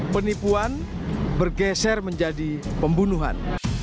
penipuan bergeser menjadi pembunuhan